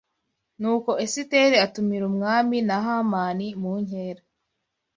Nuko Esiteri atumira umwami na Hamani mu nkera